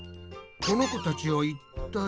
この子たちはいったい？